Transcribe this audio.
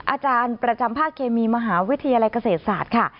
อาจารย์ประจำภาคเคมีมหาวิทยาลัยเกษตรศาสตร์ค่ะ